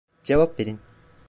Cevap verin.